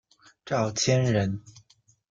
赵谦人。